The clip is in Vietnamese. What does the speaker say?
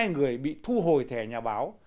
một mươi hai người bị thu hồi thẻ nhà báo